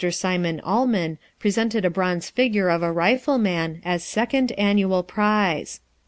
Simon Uhlmann presented a bronze figure of a rifleman, as second annual prize.